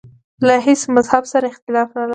له هیڅ مذهب سره اختلاف نه لرم.